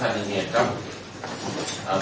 อันนี้มีเหตุการณ์ล้อมธรรมิเหตุครั้งหนึ่ง